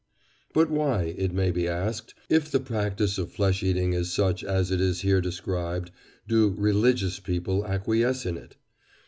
But why, it may be asked, if the practice of flesh eating is such as it is here described, do "religious" people acquiesce in it?